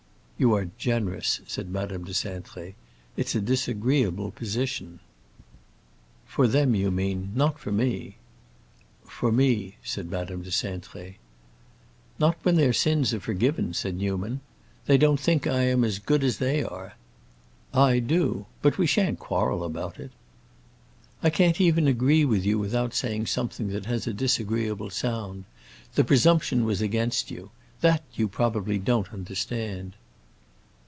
"You are generous," said Madame de Cintré. "It's a disagreeable position." "For them, you mean. Not for me." "For me," said Madame de Cintré. "Not when their sins are forgiven!" said Newman. "They don't think I am as good as they are. I do. But we shan't quarrel about it." "I can't even agree with you without saying something that has a disagreeable sound. The presumption was against you. That you probably don't understand."